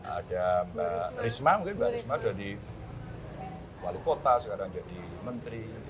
ada mbak risma mungkin mbak risma jadi wali kota sekarang jadi menteri